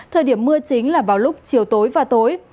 thời điểm mưa chính là vào lúc chiều tối và tối